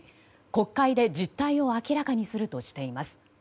国会で実態を明らかにするとしています。